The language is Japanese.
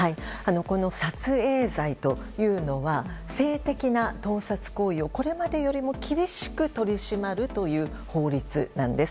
この撮影罪というのは性的な盗撮行為をこれまでよりも厳しく取り締まるという法律なんです。